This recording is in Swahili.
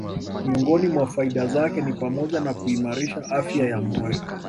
Miongoni mwa faida zake ni pamoja na kuimarisha afya ya moyo